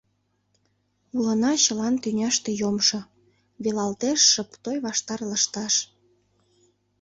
Улына чылан тӱняште йомшо, велалтеш шып той ваштар лышташ…